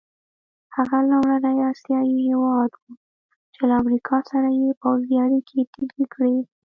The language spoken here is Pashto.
هغه لومړنی اسیایي هېواد وو چې له امریکا سره یې پوځي اړیکي ټینګې کړې.